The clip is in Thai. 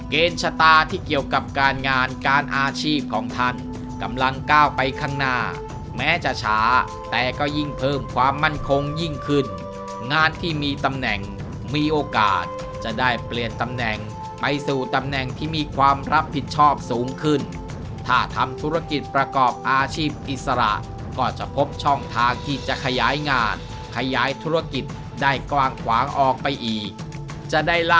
ชะตาที่เกี่ยวกับการงานการอาชีพของท่านกำลังก้าวไปข้างหน้าแม้จะช้าแต่ก็ยิ่งเพิ่มความมั่นคงยิ่งขึ้นงานที่มีตำแหน่งมีโอกาสจะได้เปลี่ยนตำแหน่งไปสู่ตำแหน่งที่มีความรับผิดชอบสูงขึ้นถ้าทำธุรกิจประกอบอาชีพอิสระก็จะพบช่องทางที่จะขยายงานขยายธุรกิจได้กว้างขวางออกไปอีกจะได้ล